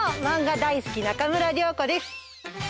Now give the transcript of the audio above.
マンガ大好き中村凉子です。